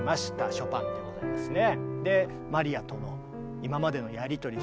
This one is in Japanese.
ショパンでございますね。